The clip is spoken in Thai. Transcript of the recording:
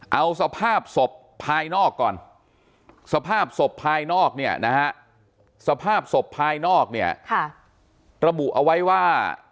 เอาสภาพศพภายนอกก่อนสภาพศพภายนอกสภาพศพภายนอกระบุเอาไว้ว่า